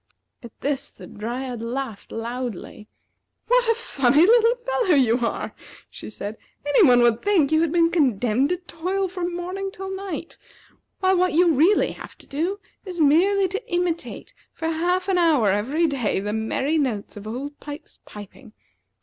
At this the Dryad laughed loudly. "What a funny little fellow you are!" she said. "Any one would think you had been condemned to toil from morning till night; while what you really have to do is merely to imitate for half an hour every day the merry notes of Old Pipes's piping.